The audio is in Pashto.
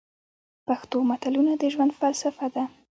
پښتو متلونه د ژوند فلسفه ده.